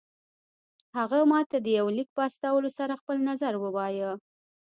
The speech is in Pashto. هغه ماته د يوه ليک په استولو سره خپل نظر ووايه.